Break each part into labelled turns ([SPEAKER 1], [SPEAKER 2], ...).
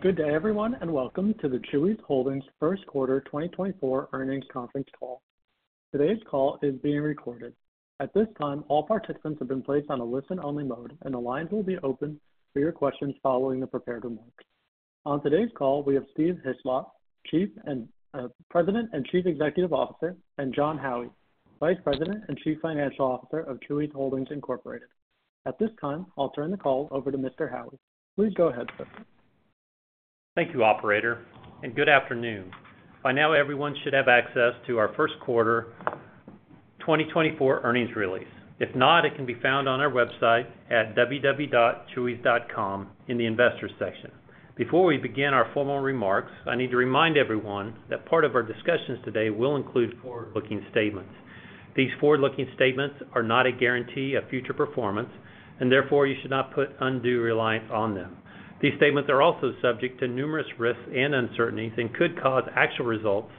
[SPEAKER 1] Good day everyone and welcome to the Chuy's Holdings first quarter 2024 earnings conference call. Today's call is being recorded. At this time, all participants have been placed on a listen-only mode and the lines will be open for your questions following the prepared remarks. On today's call we have Steve Hislop, President and Chief Executive Officer, and Jon Howie, Vice President and Chief Financial Officer of Chuy's Holdings Incorporated. At this time, I'll turn the call over to Mr. Howie. Please go ahead, sir.
[SPEAKER 2] Thank you, Operator, and good afternoon. By now everyone should have access to our first quarter 2024 earnings release. If not, it can be found on our website at www.chuys.com in the Investors section. Before we begin our formal remarks, I need to remind everyone that part of our discussions today will include forward-looking statements. These forward-looking statements are not a guarantee of future performance and therefore you should not put undue reliance on them. These statements are also subject to numerous risks and uncertainties and could cause actual results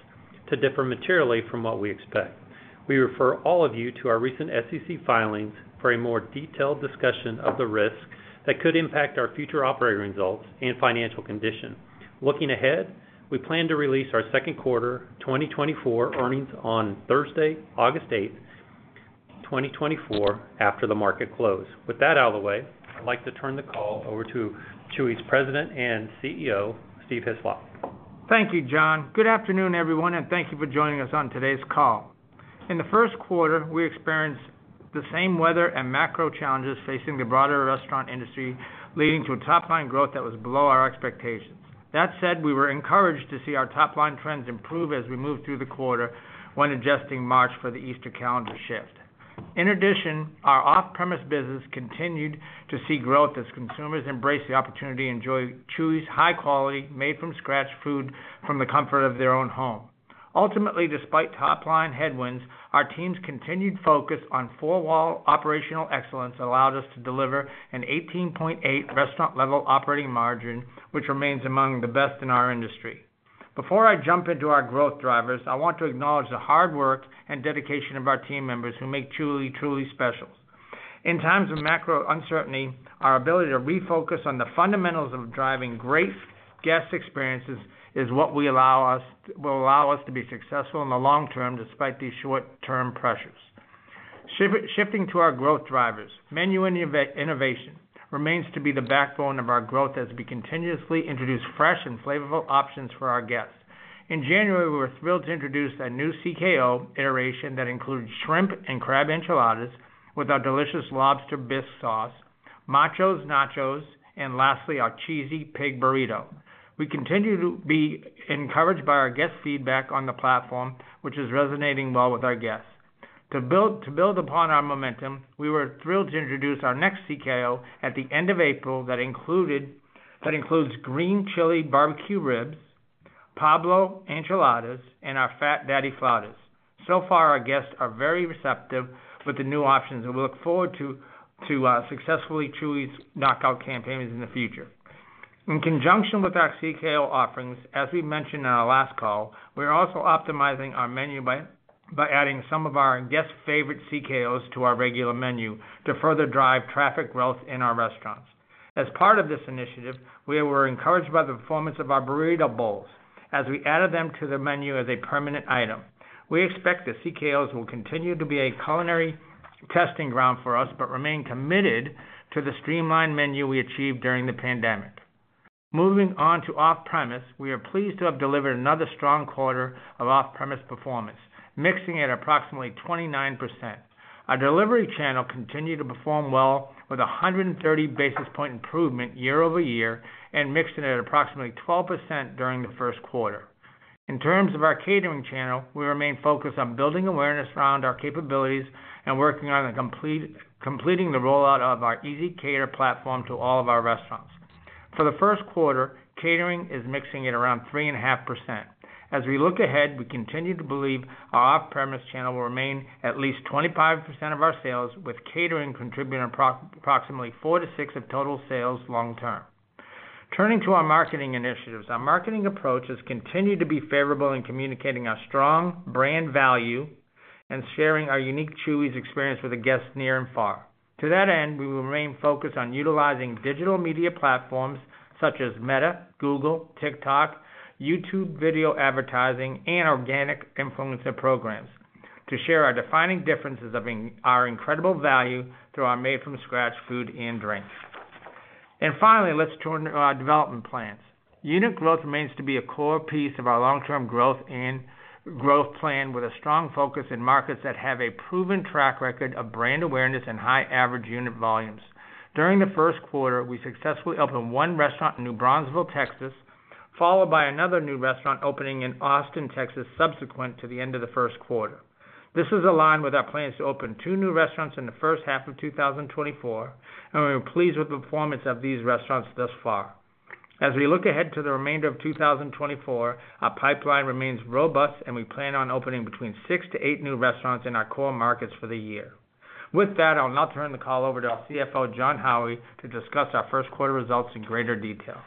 [SPEAKER 2] to differ materially from what we expect. We refer all of you to our recent SEC filings for a more detailed discussion of the risks that could impact our future operating results and financial condition. Looking ahead, we plan to release our second quarter 2024 earnings on Thursday, August 8th, 2024, after the market close. With that out of the way, I'd like to turn the call over to Chuy's President and CEO, Steve Hislop.
[SPEAKER 3] Thank you, Jon. Good afternoon everyone and thank you for joining us on today's call. In the first quarter, we experienced the same weather and macro challenges facing the broader restaurant industry leading to a top-line growth that was below our expectations. That said, we were encouraged to see our top-line trends improve as we moved through the quarter when adjusting March for the Easter calendar shift. In addition, our off-premise business continued to see growth as consumers embraced the opportunity to enjoy Chuy's high-quality, made-from-scratch food from the comfort of their own home. Ultimately, despite top-line headwinds, our team's continued focus on four-wall operational excellence allowed us to deliver an 18.8% restaurant-level operating margin which remains among the best in our industry. Before I jump into our growth drivers, I want to acknowledge the hard work and dedication of our team members who make Chuy truly special. In times of macro uncertainty, our ability to refocus on the fundamentals of driving great guest experiences is what will allow us to be successful in the long term despite these short-term pressures. Shifting to our growth drivers, menu innovation remains to be the backbone of our growth as we continuously introduce fresh and flavorful options for our guests. In January, we were thrilled to introduce a new CKO iteration that included Shrimp and Crab Enchiladas with our delicious Lobster Bisque Sauce, Macho Nachos, and lastly our Cheesy Pig Burrito. We continue to be encouraged by our guest feedback on the platform which is resonating well with our guests. To build upon our momentum, we were thrilled to introduce our next CKO at the end of April that includes Green Chile Barbecue Ribs, Pablo Enchiladas, and our Fat Daddy Flautas. So far, our guests are very receptive with the new options and we look forward to successfully Chuy's Knockout campaigns in the future. In conjunction with our CKO offerings, as we mentioned on our last call, we are also optimizing our menu by adding some of our guests' favorite CKOs to our regular menu to further drive traffic growth in our restaurants. As part of this initiative, we were encouraged by the performance of our burrito bowls as we added them to the menu as a permanent item. We expect the CKOs will continue to be a culinary testing ground for us but remain committed to the streamlined menu we achieved during the pandemic. Moving on to off-premise, we are pleased to have delivered another strong quarter of off-premise performance, mixing at approximately 29%. Our delivery channel continued to perform well with a 130 basis points improvement year-over-year and mixing at approximately 12% during the first quarter. In terms of our catering channel, we remain focused on building awareness around our capabilities and working on completing the rollout of our ezCater platform to all of our restaurants. For the first quarter, catering is mixing at around 3.5%. As we look ahead, we continue to believe our off-premise channel will remain at least 25% of our sales with catering contributing approximately 4%-6% of total sales long term. Turning to our marketing initiatives, our marketing approach has continued to be favorable in communicating our strong brand value and sharing our unique Chuy's experience with guests near and far. To that end, we will remain focused on utilizing digital media platforms such as Meta, Google, TikTok, YouTube video advertising, and organic influencer programs to share our defining differences of our incredible value through our made-from-scratch food and drinks. Finally, let's turn to our development plans. Unit growth remains to be a core piece of our long-term growth plan with a strong focus in markets that have a proven track record of brand awareness and high average unit volumes. During the first quarter, we successfully opened one restaurant in New Braunfels, Texas, followed by another new restaurant opening in Austin, Texas, subsequent to the end of the first quarter. This is aligned with our plans to open two new restaurants in the first half of 2024 and we are pleased with the performance of these restaurants thus far. As we look ahead to the remainder of 2024, our pipeline remains robust and we plan on opening between 6-8 new restaurants in our core markets for the year. With that, I'll now turn the call over to our CFO, Jon Howie, to discuss our first quarter results in greater detail.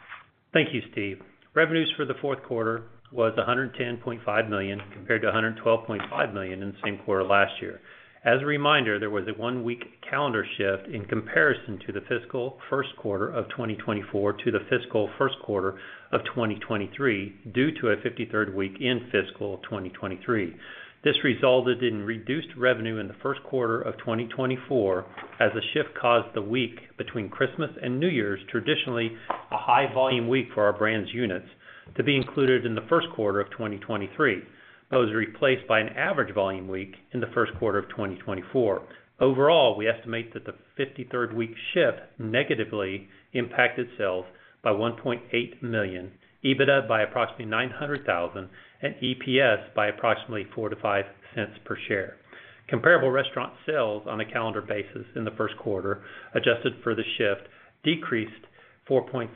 [SPEAKER 2] Thank you, Steve. Revenues for the fourth quarter was $110.5 million compared to $112.5 million in the same quarter last year. As a reminder, there was a one-week calendar shift in comparison to the fiscal first quarter of 2024 to the fiscal first quarter of 2023 due to a 53rd week in fiscal 2023. This resulted in reduced revenue in the first quarter of 2024 as the shift caused the week between Christmas and New Year's, traditionally a high-volume week for our brand's units, to be included in the first quarter of 2023. Those were replaced by an average volume week in the first quarter of 2024. Overall, we estimate that the 53rd week shift negatively impacted sales by $1.8 million, EBITDA by approximately $900,000, and EPS by approximately $0.04-$0.05 per share. Comparable restaurant sales on a calendar basis in the first quarter adjusted for the shift decreased 4.3%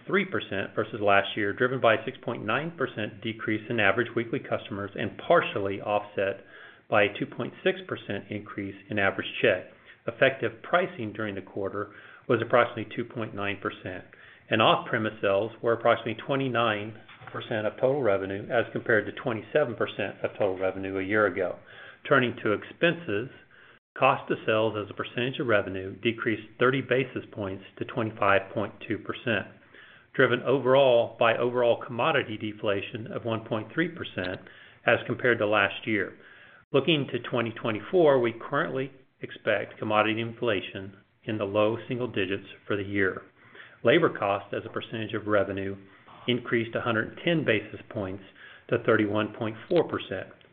[SPEAKER 2] versus last year, driven by a 6.9% decrease in average weekly customers and partially offset by a 2.6% increase in average check. Effective pricing during the quarter was approximately 2.9%. Off-premise sales were approximately 29% of total revenue as compared to 27% of total revenue a year ago. Turning to expenses, cost of sales as a percentage of revenue decreased 30 basis points to 25.2%, driven overall by overall commodity deflation of 1.3% as compared to last year. Looking to 2024, we currently expect commodity inflation in the low single digits for the year. Labor cost as a percentage of revenue increased 110 basis points to 31.4%,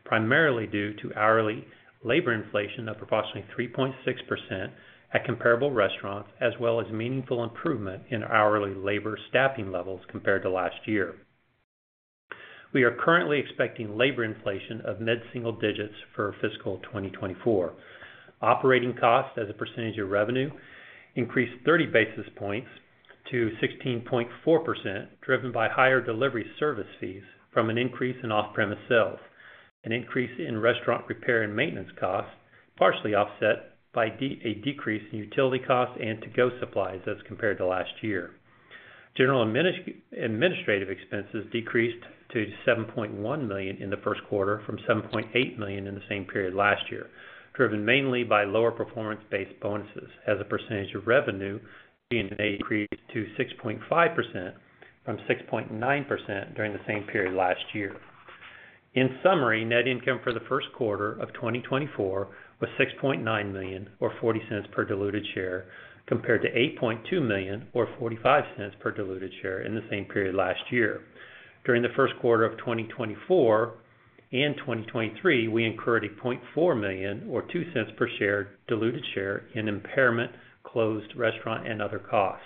[SPEAKER 2] primarily due to hourly labor inflation of approximately 3.6% at comparable restaurants as well as meaningful improvement in hourly labor staffing levels compared to last year. We are currently expecting labor inflation of mid-single digits for fiscal 2024. Operating costs as a percentage of revenue increased 30 basis points to 16.4%, driven by higher delivery service fees from an increase in off-premise sales. An increase in restaurant repair and maintenance costs partially offset by a decrease in utility costs and to-go supplies as compared to last year. General and administrative expenses decreased to $7.1 million in the first quarter from $7.8 million in the same period last year, driven mainly by lower performance-based bonuses as a percentage of revenue increased to 6.5% from 6.9% during the same period last year. In summary, net income for the first quarter of 2024 was $6.9 million or $0.40 per diluted share compared to $8.2 million or $0.45 per diluted share in the same period last year. During the first quarter of 2024 and 2023, we incurred $400,000 or $0.02 per share diluted share in impairment, closed restaurant, and other costs.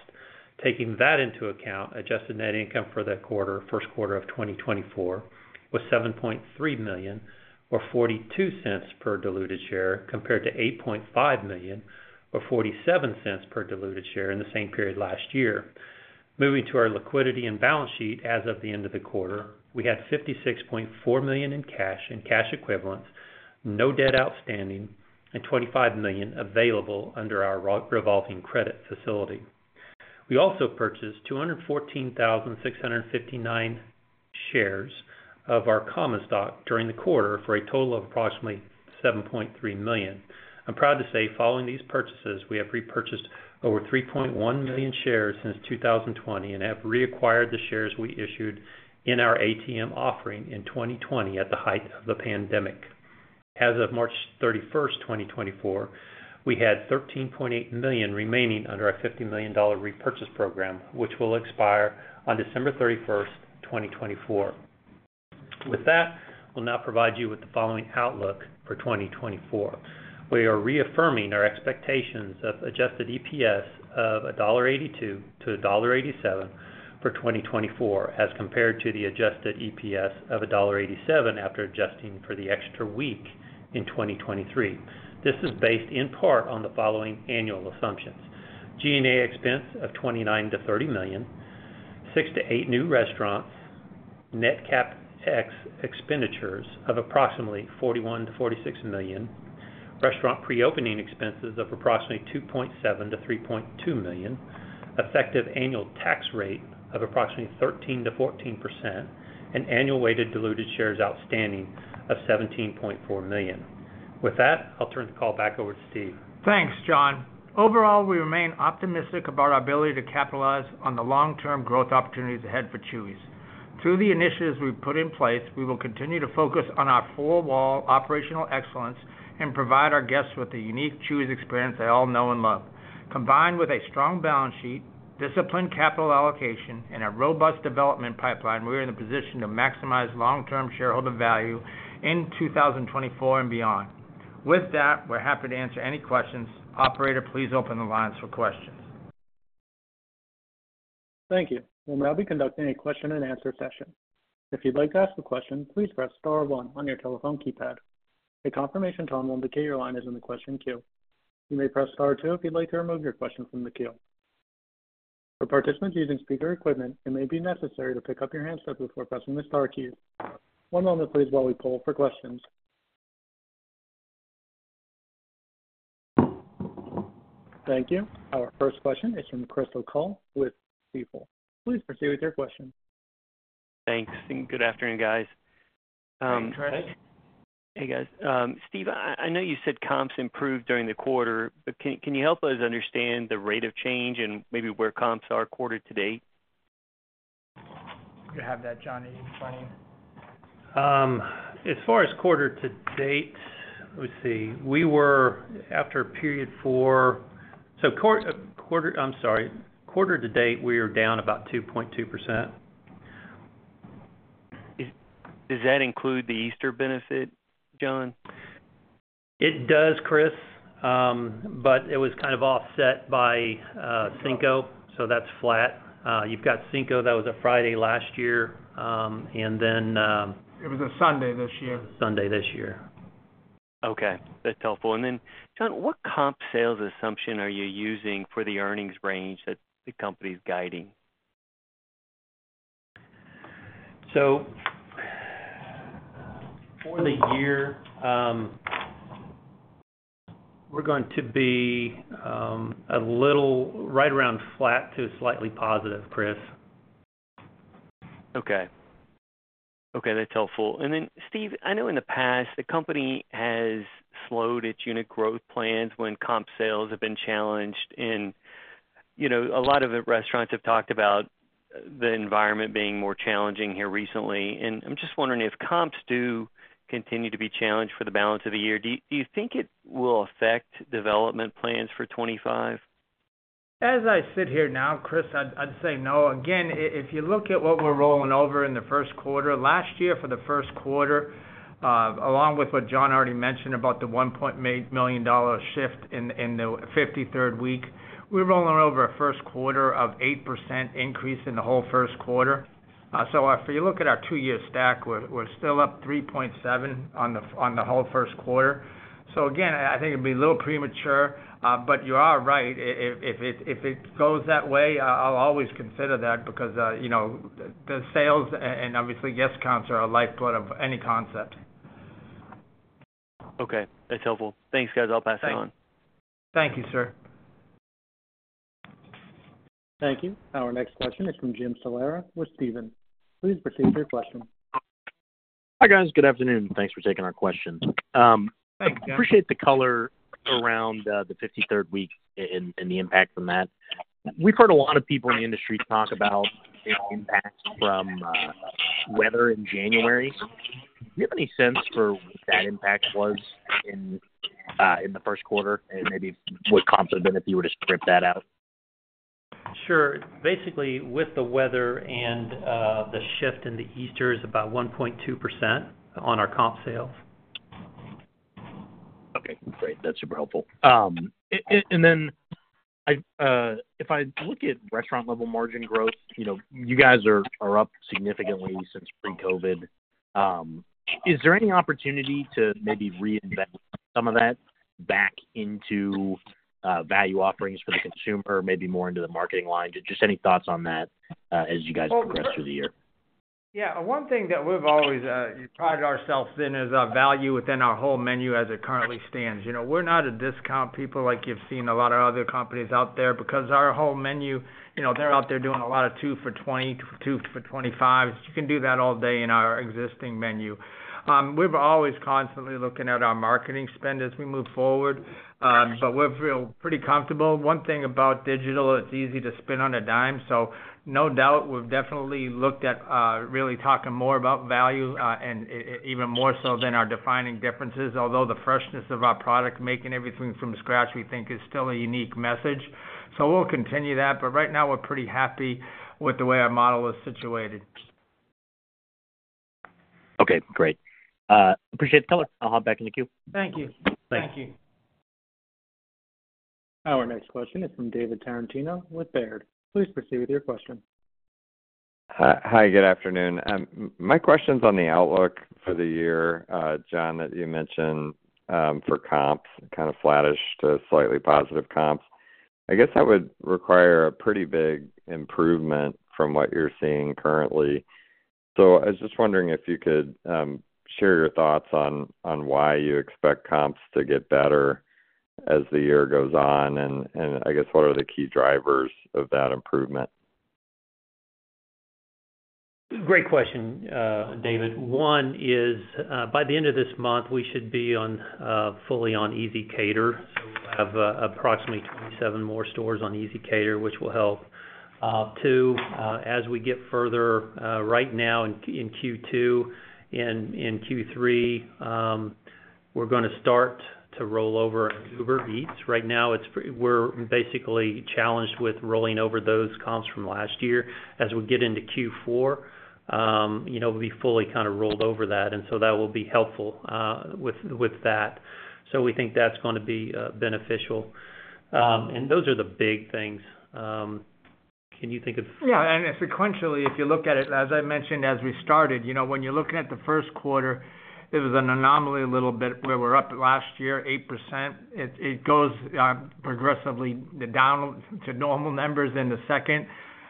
[SPEAKER 2] Taking that into account, adjusted net income for that quarter first quarter of 2024 was $7.3 million or $0.42 per diluted share compared to $8.5 million or $0.47 per diluted share in the same period last year. Moving to our liquidity and balance sheet as of the end of the quarter, we had $56.4 million in cash and cash equivalents, no debt outstanding, and $25 million available under our revolving credit facility. We also purchased 214,659 shares of our common stock during the quarter for a total of approximately $7.3 million. I'm proud to say following these purchases, we have repurchased over 3.1 million shares since 2020 and have reacquired the shares we issued in our ATM offering in 2020 at the height of the pandemic. As of March 31st, 2024, we had $13.8 million remaining under our $50 million repurchase program which will expire on December 31st, 2024. With that, we'll now provide you with the following outlook for 2024. We are reaffirming our expectations of adjusted EPS of $1.82-$1.87 for 2024 as compared to the adjusted EPS of $1.87 after adjusting for the extra week in 2023. This is based in part on the following annual assumptions: G&A expense of $29 million-$30 million, 6-8 new restaurants, net CapEx of approximately $41 million-$46 million, restaurant pre-opening expenses of approximately $2.7 million-$3.2 million, effective annual tax rate of approximately 13%-14%, and annual weighted diluted shares outstanding of 17.4 million. With that, I'll turn the call back over to Steve.
[SPEAKER 3] Thanks, Jon. Overall, we remain optimistic about our ability to capitalize on the long-term growth opportunities ahead for Chuy's. Through the initiatives we've put in place, we will continue to focus on our four-wall operational excellence and provide our guests with the unique Chuy's experience they all know and love. Combined with a strong balance sheet, disciplined capital allocation, and a robust development pipeline, we are in the position to maximize long-term shareholder value in 2024 and beyond. With that, we're happy to answer any questions. Operator, please open the lines for questions.
[SPEAKER 1] Thank you. We'll now be conducting a question and answer session. If you'd like to ask a question, please press star one on your telephone keypad. A confirmation tone will indicate your line is in the question queue. You may press star two if you'd like to remove your question from the queue. For participants using speaker equipment, it may be necessary to pick up your handset before pressing the star keys. One moment, please, while we pull for questions. Thank you. Our first question is from Chris O'Cull with Stifel. Please proceed with your question.
[SPEAKER 4] Thanks. Good afternoon, guys.
[SPEAKER 2] Hey, Chris.
[SPEAKER 4] Hey, guys. Steve, I know you said comps improved during the quarter, but can you help us understand the rate of change and maybe where comps are quarter to date?
[SPEAKER 3] You have that, Johnny. It's fine.
[SPEAKER 2] As far as quarter to date, let me see. We were after period four so quarter I'm sorry. Quarter to date, we were down about 2.2%.
[SPEAKER 4] Does that include the Easter benefit, Jon?
[SPEAKER 2] It does, Chris. But it was kind of offset by Cinco, so that's flat. You've got Cinco that was a Friday last year, and then.
[SPEAKER 3] It was a Sunday this year.
[SPEAKER 2] Sunday this year.
[SPEAKER 4] Okay. That's helpful. Then, Jon, what comp sales assumption are you using for the earnings range that the company's guiding?
[SPEAKER 2] For the year, we're going to be a little right around flat to slightly positive, Chris.
[SPEAKER 4] Okay. Okay. That's helpful. And then, Steve, I know in the past the company has slowed its unit growth plans when comp sales have been challenged, you know, a lot of the restaurants have talked about the environment being more challenging here recently. And I'm just wondering if comps do continue to be challenged for the balance of the year. Do you think it will affect development plans for 2025?
[SPEAKER 3] As I sit here now, Chris, I'd say no. Again, if you look at what we're rolling over in the first quarter last year for the first quarter, along with what Jon already mentioned about the $1.8 million shift in the 53rd week, we're rolling over a first quarter of 8% increase in the whole first quarter. So if you look at our two-year stack, we're still up 3.7% on the whole first quarter. So again, I think it'd be a little premature. But you are right. If it goes that way, I'll always consider that because, you know, the sales and obviously guest counts are a lifeblood of any concept.
[SPEAKER 4] Okay. That's helpful. Thanks, guys. I'll pass it on.
[SPEAKER 3] Thank you, sir.
[SPEAKER 1] Thank you. Our next question is from Jim Salera with Stephens. Please proceed with your question.
[SPEAKER 5] Hi, guys. Good afternoon. Thanks for taking our questions. I appreciate the color around the fifty-third week and the impact from that. We've heard a lot of people in the industry talk about the impact from weather in January. Do you have any sense for what that impact was in the first quarter and maybe what comps would have been if you were to strip that out?
[SPEAKER 2] Sure. Basically, with the weather and the shift in the Easter, it's about 1.2% on our comp sales.
[SPEAKER 5] Okay. Great. That's super helpful. And then if I look at restaurant-level margin growth, you guys are up significantly since pre-COVID. Is there any opportunity to maybe reinvent some of that back into value offerings for the consumer or maybe more into the marketing line? Just any thoughts on that as you guys progress through the year?
[SPEAKER 3] Yeah. One thing that we've always prided ourselves in is value within our whole menu as it currently stands. We're not a discount people like you've seen a lot of other companies out there because our whole menu they're out there doing a lot of 2 for $20, 2 for $25. You can do that all day in our existing menu. We've always constantly looking at our marketing spend as we move forward, but we feel pretty comfortable. One thing about digital, it's easy to spin on a dime. So no doubt, we've definitely looked at really talking more about value and even more so than our defining differences, although the freshness of our product making everything from scratch, we think, is still a unique message. So we'll continue that. But right now, we're pretty happy with the way our model is situated.
[SPEAKER 5] Okay. Great. Appreciate the color. I'll hop back in the queue.
[SPEAKER 3] Thank you.
[SPEAKER 2] Thank you.
[SPEAKER 1] Our next question is from David Tarantino with Baird. Please proceed with your question.
[SPEAKER 6] Hi. Good afternoon. My question's on the outlook for the year, Jon, that you mentioned for comps, kind of flattish to slightly positive comps. I guess that would require a pretty big improvement from what you're seeing currently. So I was just wondering if you could share your thoughts on why you expect comps to get better as the year goes on and I guess what are the key drivers of that improvement?
[SPEAKER 2] Great question, David. One is by the end of this month, we should be fully on ezCater so we'll have approximately 7 more stores on ezCater which will help. Two, as we get further right now in Q2 and in Q3, we're going to start to roll over Uber Eats. Right now, we're basically challenged with rolling over those comps from last year. As we get into Q4, we'll be fully kind of rolled over that. And so that will be helpful with that. So we think that's going to be beneficial. And those are the big things. Can you think of?
[SPEAKER 3] Yeah. And sequentially, if you look at it, as I mentioned as we started, when you're looking at the first quarter, it was an anomaly a little bit where we're up last year, 8%. It goes progressively down to normal numbers in the second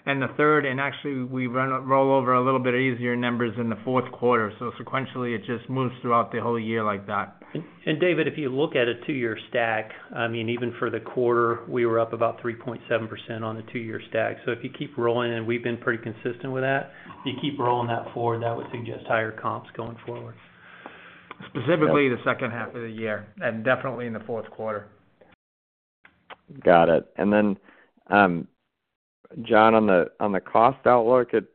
[SPEAKER 3] and the third. And actually, we roll over a little bit easier numbers in the fourth quarter. So sequentially, it just moves throughout the whole year like that.
[SPEAKER 2] David, if you look at a two-year stack, I mean, even for the quarter, we were up about 3.7% on the two-year stack. So if you keep rolling and we've been pretty consistent with that, if you keep rolling that forward, that would suggest higher comps going forward.
[SPEAKER 3] Specifically the second half of the year and definitely in the fourth quarter.
[SPEAKER 6] Got it. And then, Jon, on the cost outlook, it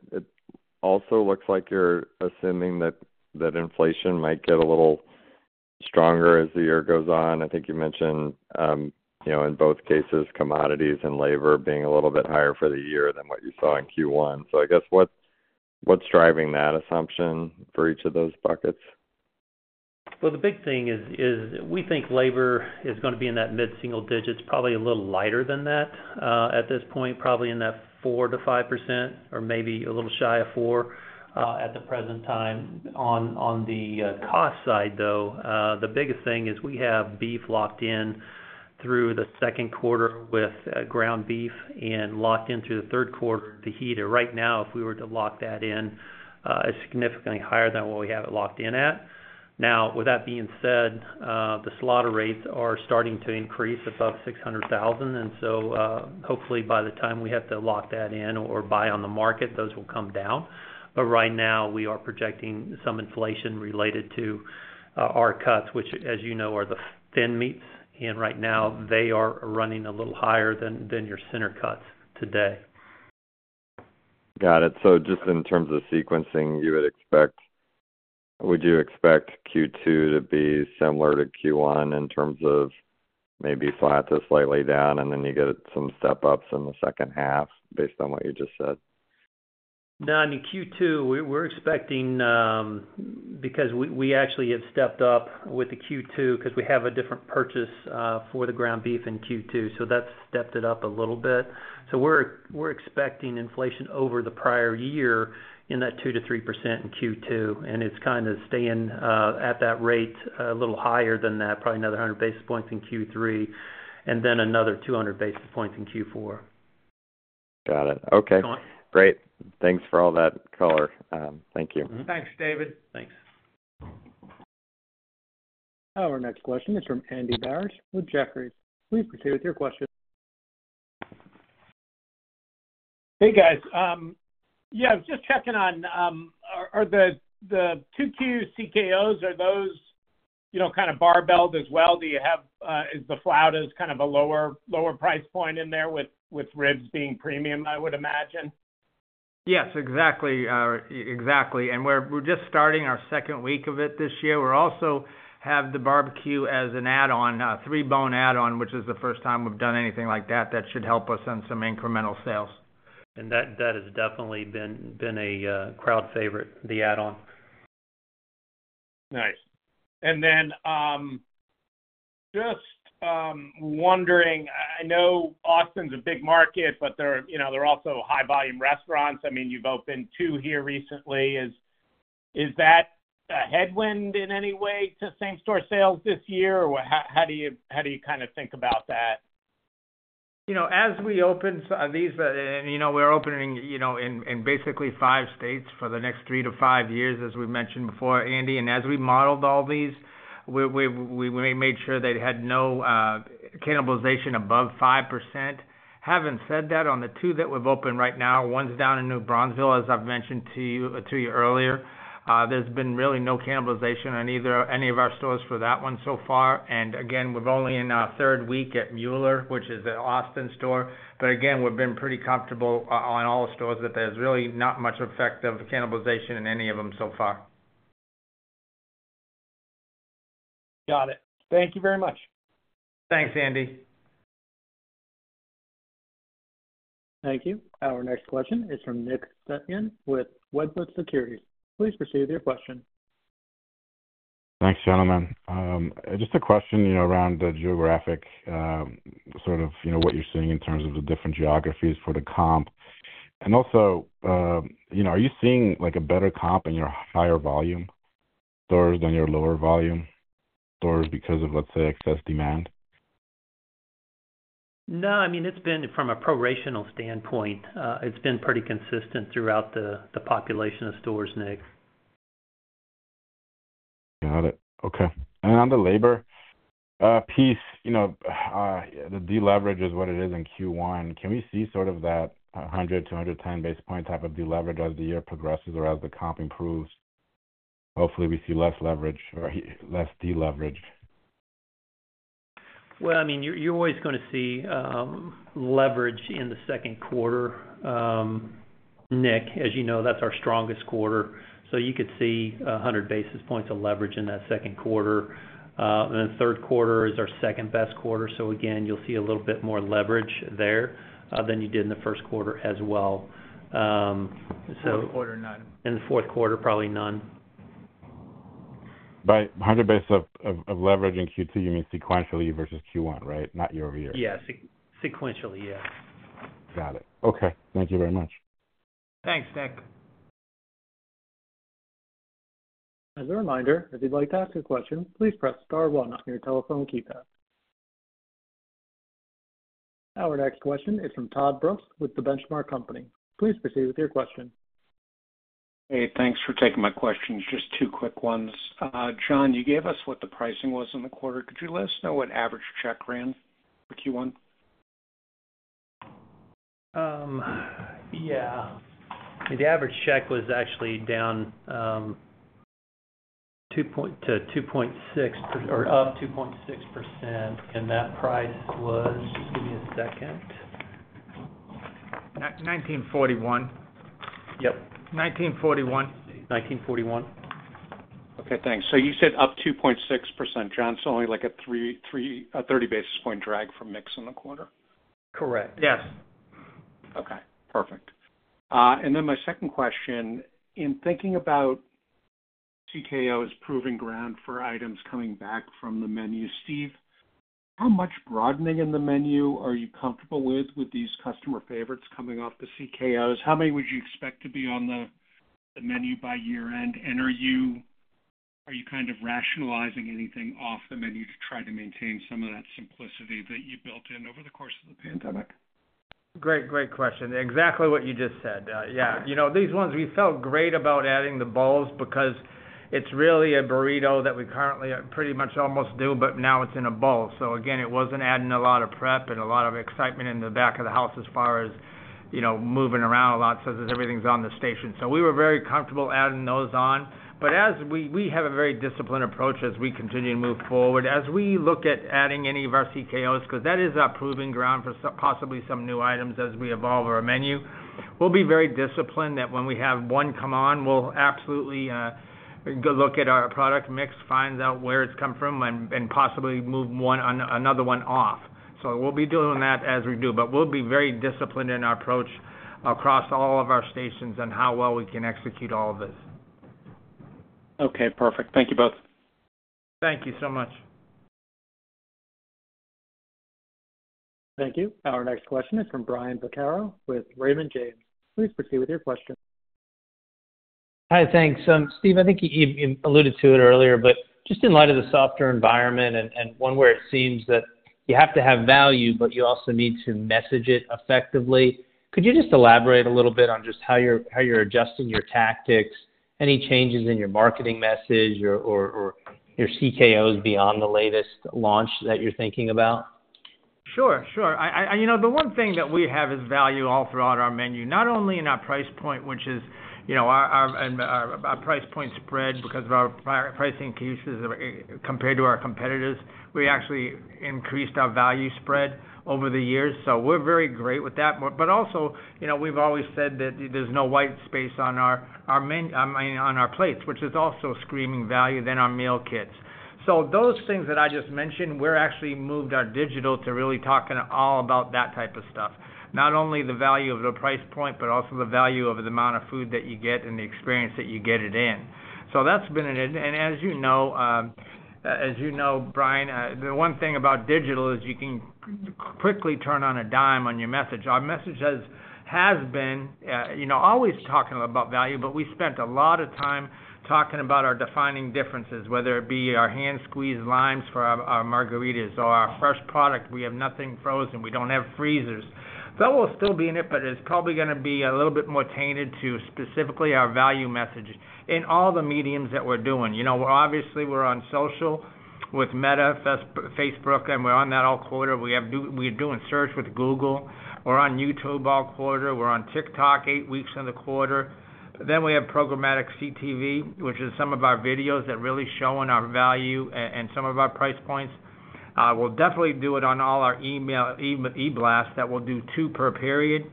[SPEAKER 6] also looks like you're assuming that inflation might get a little stronger as the year goes on. I think you mentioned in both cases, commodities and labor being a little bit higher for the year than what you saw in Q1. So I guess what's driving that assumption for each of those buckets?
[SPEAKER 2] Well, the big thing is we think labor is going to be in that mid-single digits, probably a little lighter than that at this point, probably in that 4%-5% or maybe a little shy of 4% at the present time. On the cost side, though, the biggest thing is we have beef locked in through the second quarter with ground beef and locked in through the third quarter the other. Right now, if we were to lock that in, it's significantly higher than what we have it locked in at. Now, with that being said, the slaughter rates are starting to increase above 600,000. And so hopefully, by the time we have to lock that in or buy on the market, those will come down. But right now, we are projecting some inflation related to our cuts which, as you know, are the thin meats. Right now, they are running a little higher than your center cuts today.
[SPEAKER 6] Got it. So just in terms of sequencing, would you expect Q2 to be similar to Q1 in terms of maybe flat to slightly down and then you get some step-ups in the second half based on what you just said?
[SPEAKER 2] No. I mean, Q2, we're expecting because we actually have stepped up with the Q2 because we have a different purchase for the ground beef in Q2. So that's stepped it up a little bit. So we're expecting inflation over the prior year in that 2%-3% in Q2. And it's kind of staying at that rate, a little higher than that, probably another 100 basis points in Q3 and then another 200 basis points in Q4.
[SPEAKER 6] Got it. Okay. Great. Thanks for all that color. Thank you.
[SPEAKER 3] Thanks, David.
[SPEAKER 6] Thanks.
[SPEAKER 1] Our next question is from Andy Barish with Jefferies. Please proceed with your question.
[SPEAKER 7] Hey, guys. Yeah. I was just checking on are the 2Q CKOs kind of barbelled as well? Is the flauta kind of a lower price point in there with ribs being premium, I would imagine?
[SPEAKER 3] Yes. Exactly. Exactly. And we're just starting our second week of it this year. We also have the barbecue as an add-on, a three-bone add-on, which is the first time we've done anything like that. That should help us on some incremental sales.
[SPEAKER 2] That has definitely been a crowd favorite, the add-on.
[SPEAKER 7] Nice. Then just wondering, I know Austin's a big market, but they're also high-volume restaurants. I mean, you've opened two here recently. Is that a headwind in any way to same-store sales this year or how do you kind of think about that?
[SPEAKER 3] As we opened these and we're opening in basically 5 states for the next 3-5 years, as we mentioned before, Andy. And as we modeled all these, we made sure they had no cannibalization above 5%. Having said that, on the 2 that we've opened right now, one's down in New Braunfels, as I've mentioned to you earlier. There's been really no cannibalization on any of our stores for that one so far. And again, we're only in our 3rd week at Mueller, which is an Austin store. But again, we've been pretty comfortable on all the stores that there's really not much effect of cannibalization in any of them so far.
[SPEAKER 7] Got it. Thank you very much.
[SPEAKER 3] Thanks, Andy.
[SPEAKER 1] Thank you. Our next question is from Nick Setyan with Wedbush Securities. Please proceed with your question.
[SPEAKER 8] Thanks, gentlemen. Just a question around the geographic, sort of what you're seeing in terms of the different geographies for the comp. And also, are you seeing a better comp in your higher volume stores than your lower volume stores because of, let's say, excess demand?
[SPEAKER 2] No. I mean, it's been from a prorational standpoint, it's been pretty consistent throughout the population of stores, Nick.
[SPEAKER 8] Got it. Okay. On the labor piece, the deleverage is what it is in Q1. Can we see sort of that 100-110 basis point type of deleverage as the year progresses or as the comp improves? Hopefully, we see less leverage or less deleverage.
[SPEAKER 2] Well, I mean, you're always going to see leverage in the second quarter, Nick. As you know, that's our strongest quarter. So you could see 100 basis points of leverage in that second quarter. And then third quarter is our second best quarter. So again, you'll see a little bit more leverage there than you did in the first quarter as well.
[SPEAKER 3] Fourth quarter, none.
[SPEAKER 2] In the fourth quarter, probably none.
[SPEAKER 8] By 100 basis of leverage in Q2, you mean sequentially versus Q1, right? Not year-over-year.
[SPEAKER 2] Yes. Sequentially, yes.
[SPEAKER 8] Got it. Okay. Thank you very much.
[SPEAKER 3] Thanks, Nick.
[SPEAKER 1] As a reminder, if you'd like to ask a question, please press star one on your telephone keypad. Our next question is from Todd Brooks with The Benchmark Company. Please proceed with your question.
[SPEAKER 9] Hey. Thanks for taking my questions. Just two quick ones. Jon, you gave us what the pricing was in the quarter. Could you let us know what average check ran for Q1?
[SPEAKER 2] Yeah. I mean, the average check was actually down to 2.6% or up 2.6%. And that price was just give me a second.
[SPEAKER 3] $19.41.
[SPEAKER 2] Yep. $19.41.
[SPEAKER 9] $19.41. Okay. Thanks. So you said up 2.6%. Jon, it's only a 30 basis point drag from mix in the quarter.
[SPEAKER 2] Correct. Yes.
[SPEAKER 9] Okay. Perfect. And then my second question, in thinking about CKOs proving ground for items coming back from the menu, Steve, how much broadening in the menu are you comfortable with with these customer favorites coming off the CKOs? How many would you expect to be on the menu by year-end? Are you kind of rationalizing anything off the menu to try to maintain some of that simplicity that you built in over the course of the pandemic?
[SPEAKER 3] Great question. Exactly what you just said. Yeah. These ones, we felt great about adding the bowls because it's really a burrito that we currently pretty much almost do, but now it's in a bowl. So again, it wasn't adding a lot of prep and a lot of excitement in the back of the house as far as moving around a lot such as everything's on the station. So we were very comfortable adding those on. But we have a very disciplined approach as we continue to move forward. As we look at adding any of our CKOs because that is our proving ground for possibly some new items as we evolve our menu, we'll be very disciplined that when we have one come on, we'll absolutely look at our product mix, find out where it's come from, and possibly move another one off. We'll be doing that as we do. But we'll be very disciplined in our approach across all of our stations on how well we can execute all of this.
[SPEAKER 9] Okay. Perfect. Thank you both.
[SPEAKER 3] Thank you so much.
[SPEAKER 1] Thank you. Our next question is from Brian Vaccaro with Raymond James. Please proceed with your question.
[SPEAKER 10] Hi. Thanks. Steve, I think you alluded to it earlier, but just in light of the softer environment and one where it seems that you have to have value, but you also need to message it effectively, could you just elaborate a little bit on just how you're adjusting your tactics, any changes in your marketing message or your CKOs beyond the latest launch that you're thinking about?
[SPEAKER 3] Sure. Sure. The one thing that we have is value all throughout our menu, not only in our price point, which is our price point spread because of our pricing cases compared to our competitors. We actually increased our value spread over the years. So we're very great with that. But also, we've always said that there's no white space on our plates, which is also screaming value than our meal kits. So those things that I just mentioned, we're actually moved our digital to really talking all about that type of stuff, not only the value of the price point, but also the value of the amount of food that you get and the experience that you get it in. So that's been an and as you know, Brian, the one thing about digital is you can quickly turn on a dime on your message. Our message has been always talking about value, but we spent a lot of time talking about our defining differences, whether it be our hand-squeezed limes for our margaritas or our fresh product. We have nothing frozen. We don't have freezers. That will still be in it, but it's probably going to be a little bit more tainted to specifically our value message in all the mediums that we're doing. Obviously, we're on social with Meta, Facebook, and we're on that all quarter. We're doing search with Google. We're on YouTube all quarter. We're on TikTok eight weeks in the quarter. But then we have programmatic CTV, which is some of our videos that really show on our value and some of our price points. We'll definitely do it on all our email e-blasts that we'll do two per period.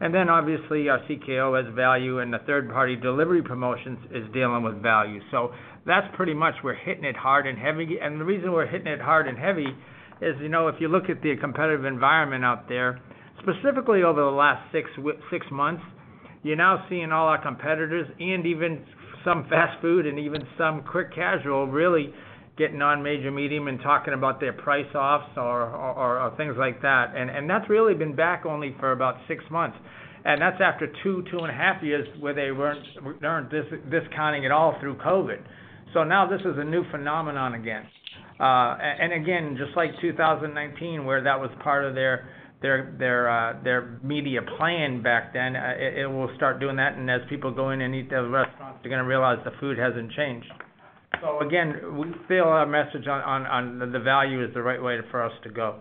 [SPEAKER 3] Then obviously, our CKO has value, and the third-party delivery promotions is dealing with value. So that's pretty much we're hitting it hard and heavy. And the reason we're hitting it hard and heavy is if you look at the competitive environment out there, specifically over the last six months, you're now seeing all our competitors and even some fast food and even some quick casual really getting on major media and talking about their price offers or things like that. And that's really been back only for about six months. And that's after 2-2.5 years where they weren't discounting at all through COVID. So now this is a new phenomenon again. And again, just like 2019 where that was part of their media plan back then, it will start doing that. As people go in and eat at the restaurants, they're going to realize the food hasn't changed. Again, we feel our message on the value is the right way for us to go.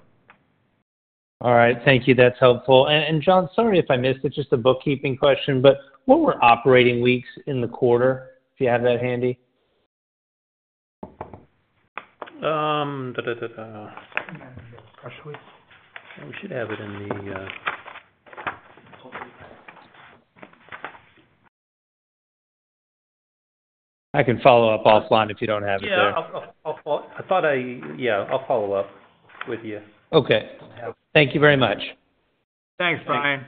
[SPEAKER 10] All right. Thank you. That's helpful. And Jon, sorry if I missed it. Just a bookkeeping question, but what were operating weeks in the quarter? If you have that handy.
[SPEAKER 2] We should have it in the.
[SPEAKER 10] I can follow up offline if you don't have it there.
[SPEAKER 2] Yeah. Yeah. I'll follow up with you.
[SPEAKER 10] Okay. Thank you very much.
[SPEAKER 3] Thanks, Brian.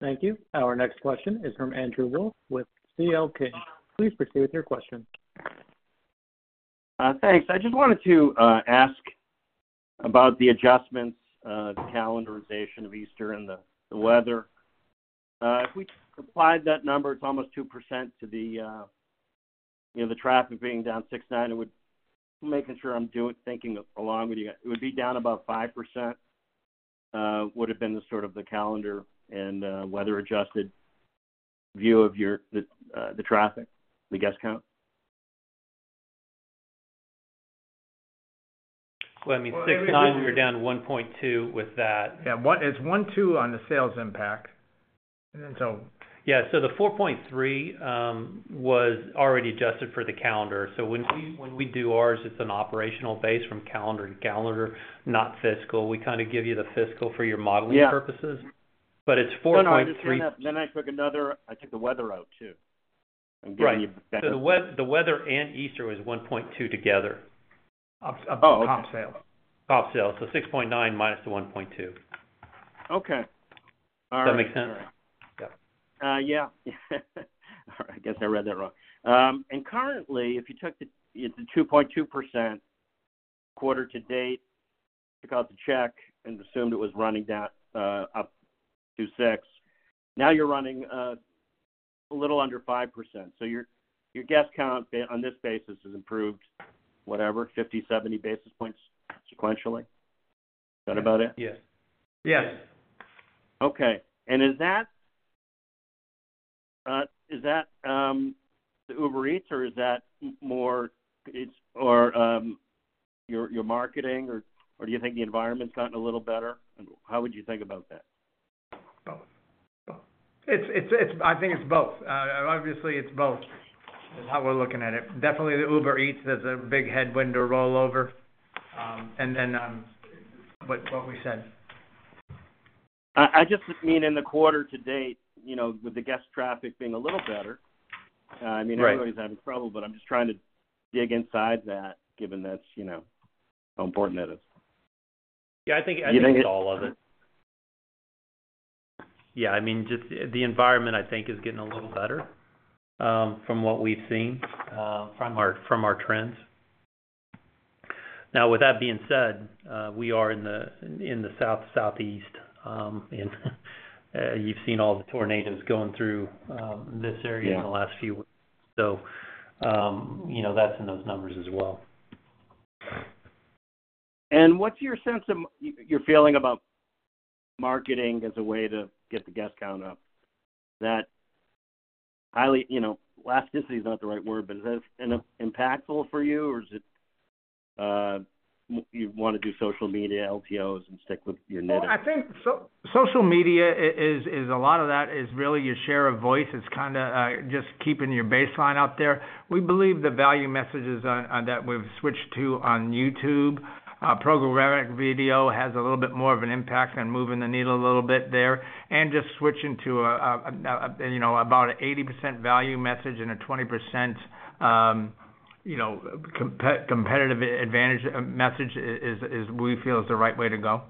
[SPEAKER 1] Thank you. Our next question is from Andrew Wolf with C.L. King. Please proceed with your question.
[SPEAKER 11] Thanks. I just wanted to ask about the adjustments, the calendarization of Easter and the weather. If we applied that number, it's almost 2% to the traffic being down 6.9%. I'm making sure I'm thinking along with you. It would be down about 5% would have been the sort of the calendar and weather-adjusted view of the traffic, the guest count.
[SPEAKER 2] Well, I mean, 6.9%, we were down 1.2% with that.
[SPEAKER 3] Yeah. It's 1.2% on the sales impact. And so.
[SPEAKER 2] Yeah. So the 4.3% was already adjusted for the calendar. So when we do ours, it's an operational base from calendar to calendar, not fiscal. We kind of give you the fiscal for your modeling purposes. But it's 4.3%.
[SPEAKER 11] No, no. Then I took the weather out too and gave you back.
[SPEAKER 2] Right. So the weather and Easter was 1.2% together of the comp sale. Comp sale. So 6.9% minus the 1.2%.
[SPEAKER 11] Okay. All right.
[SPEAKER 2] Does that make sense?
[SPEAKER 3] Yeah.
[SPEAKER 11] Yeah. All right. I guess I read that wrong. Currently, if you took the 2.2% quarter to date, took out the check and assumed it was running up to 6%, now you're running a little under 5%. So your guest count on this basis has improved, whatever, 50, 70 basis points sequentially. Is that about it?
[SPEAKER 2] Yes.
[SPEAKER 3] Yes.
[SPEAKER 11] Okay. And is that the Uber Eats or is that more your marketing, or do you think the environment's gotten a little better? And how would you think about that?
[SPEAKER 3] Both. Both. I think it's both. Obviously, it's both is how we're looking at it. Definitely, the Uber Eats, there's a big headwind to rollover. And then what we said.
[SPEAKER 11] I just mean in the quarter to date with the guest traffic being a little better. I mean, everybody's having trouble, but I'm just trying to dig inside that given how important that is.
[SPEAKER 2] Yeah. I think it's all of it. Yeah. I mean, just the environment, I think, is getting a little better from what we've seen from our trends. Now, with that being said, we are in the South, Southeast, and you've seen all the tornadoes going through this area in the last few weeks. So that's in those numbers as well.
[SPEAKER 11] What's your sense of your feeling about marketing as a way to get the guest count up? That highly elasticity is not the right word, but is that impactful for you, or is it you want to do social media, LTOs, and stick with your knitting?
[SPEAKER 3] I think social media is a lot of that is really your share of voice. It's kind of just keeping your baseline out there. We believe the value messages that we've switched to on YouTube, programmatic video has a little bit more of an impact on moving the needle a little bit there. And just switching to about an 80% value message and a 20% competitive advantage message is what we feel is the right way to go.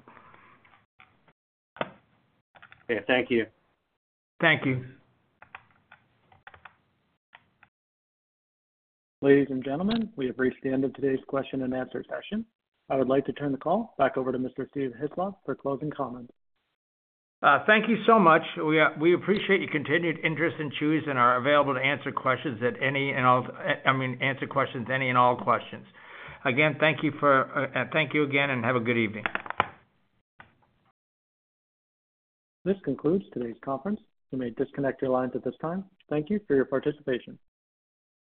[SPEAKER 11] Okay. Thank you.
[SPEAKER 3] Thank you.
[SPEAKER 1] Ladies and gentlemen, we have reached the end of today's question and answer session. I would like to turn the call back over to Mr. Steve Hislop for closing comments.
[SPEAKER 3] Thank you so much. We appreciate your continued interest in Chuy's and are available to answer questions at any, and I mean, answer any and all questions. Again, thank you. Thank you again, and have a good evening.
[SPEAKER 1] This concludes today's conference. You may disconnect your lines at this time. Thank you for your participation.